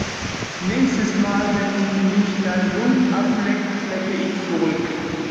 Nächstes Mal, wenn mich dein Hund ableckt, lecke ich zurück!